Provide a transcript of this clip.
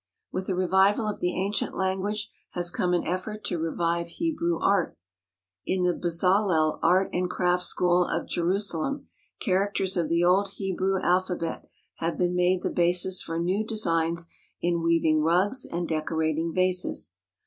With the revival of the ancient language has come an effort to revive Hebrew art. In the Bezalel Art and Craft School of Jerusalem characters of the old Hebrew alpha bet have been made the basis for new designs in weaving rugs and decorating vases.